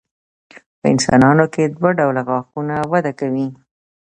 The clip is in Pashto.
په انسانانو کې دوه ډوله غاښونه وده کوي.